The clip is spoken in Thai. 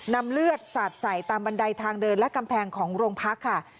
นำเลือดสาดใส่ตามบันไดทางเดินและกำแพงของโรงพักค่ะ